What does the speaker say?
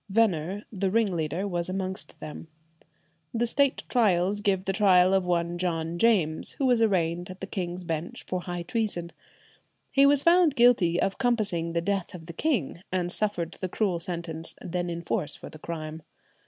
Venner, the ringleader, was amongst them. The State Trials give the trial of one John James, who was arraigned at the King's Bench for high treason. He was found guilty of compassing the death of the king, and suffered the cruel sentence then in force for the crime.